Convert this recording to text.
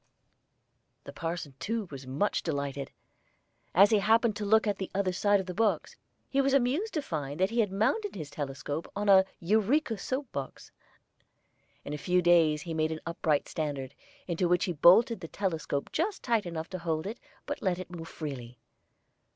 The parson too was much delighted. As he happened to look at the other side of the box, he was amused to find that he had mounted his telescope on a "Eureka Soap" box. In a few days he made an upright standard, into which he bolted the telescope just tight enough to hold it, but let it move freely.